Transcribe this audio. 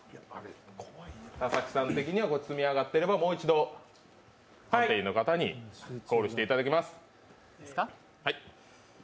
田崎さん的には積み上がっていればもう一度認定員の方にコールしていただきます。